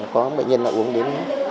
có bệnh nhân uống đến quá một mươi